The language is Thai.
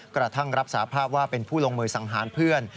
กระทั่งรับสาภาพว่าเป็นผู้ลงมือสังหารเพื่อน